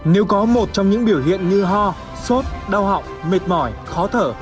nếu có một trong những biểu hiện như ho sốt đau họng mệt mỏi khó thở